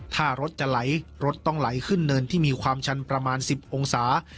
ถ้ารถจะไหลรถต้องไหลขึ้นเนินที่มีความชันประมาณ๑๐องศา